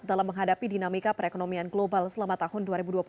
dalam menghadapi dinamika perekonomian global selama tahun dua ribu dua puluh satu